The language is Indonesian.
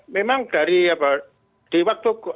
memang dari di waktu